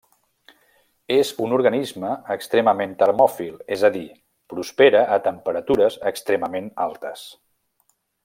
És un organisme extremament termòfil, és a dir, prospera a temperatures extremament altes.